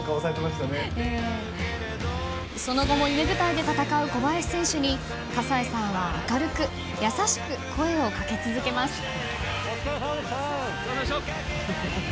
その後も夢舞台で戦う陵侑選手に葛西さんは明るく優しく声をかけ続けます。